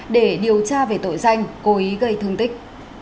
để điều tra về tội danh cố ý gây thương tích